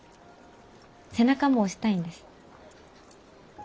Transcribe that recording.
背中も押したいんです。